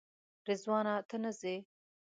رضوانه ته نه ځې؟